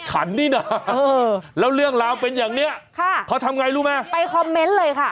ฉันนี่น่ะเออแล้วเรื่องราวเป็นอย่างเนี้ยค่ะเขาทำไงรู้ไหมไปคอมเมนต์เลยค่ะ